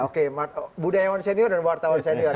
oke budayawan senior dan wartawan senior